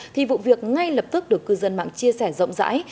thì vụ việc ngay lập tức được cư dân mạng chia sẻ rộng rãi